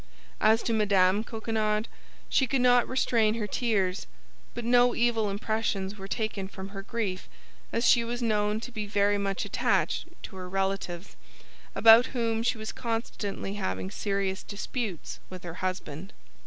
As to Mme. Coquenard, she could not restrain her tears; but no evil impressions were taken from her grief as she was known to be very much attached to her relatives, about whom she was constantly having serious disputes with her husband.